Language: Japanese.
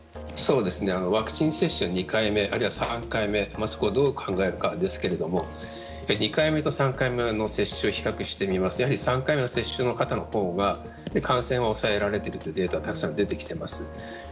ワクチン接種の２回目、３回目どう考えるかですが２回目と３回目の接種を比較してみますとやはり３回目の接種の方のほうが感染が抑えられているというデータがたくさん出てきています。